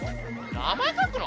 名前書くの？